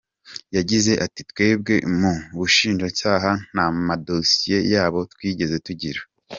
Yagize ati “Twebwe mu Bushinjacyaha nta madosiye yabo twigeze tugira.